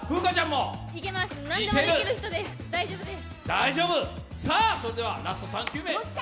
何でもできる人です、大丈夫です。